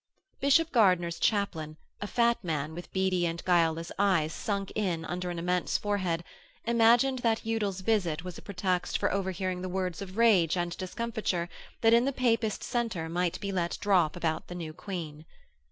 Bishop Gardiner's chaplain, a fat man, with beady and guileless eyes sunk in under an immense forehead, imagined that Udal's visit was a pretext for overhearing the words of rage and discomfiture that in that Papist centre might be let drop about the new Queen.